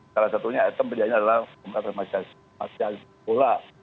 salah satunya item penjahitnya adalah penjahit penjahit bola